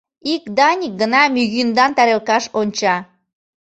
Ик Даник гына мӱгиндан тарелкаш онча.